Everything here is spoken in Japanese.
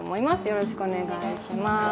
よろしくお願いします。